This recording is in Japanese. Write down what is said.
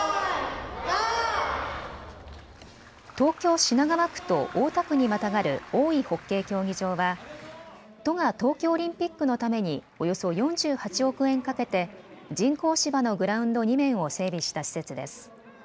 東京品川区と大田区にまたがる大井ホッケー競技場は、都が東京オリンピックのためにおよそ４８億円かけて人工芝のグラウンド２面を整備した施設です。